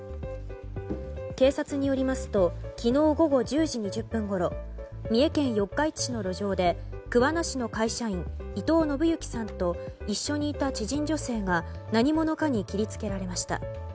警察によりますと昨日午後１０時２０分ごろ三重県四日市市の路上で桑名市の会社員、伊藤信幸さんと一緒にいた知人女性が何者かに切りつけられました。